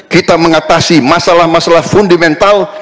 kita mengatasi masalah masalah fundamental